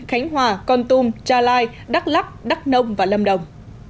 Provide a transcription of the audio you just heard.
khánh hòa con tum tra lai đắk lắk đắk nông và lâm đồng